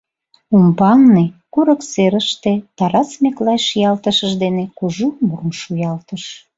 Умбалне, курык серыште, Тарас Миклай шиялтышыж дене кужу мурым шуялтыш.